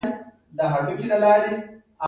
آیا خلک د سکي لپاره هلته نه ځي؟